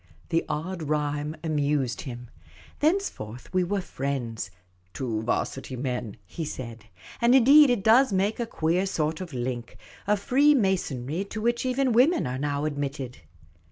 The odd rhyme amused him. Thenceforth we were friends —" two 'Varsity men," he said. And indeed it does make a queer sort of link — a freemasonry to which even women are now admitted.